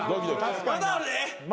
まだあるで。